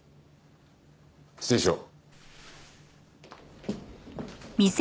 失礼しよう。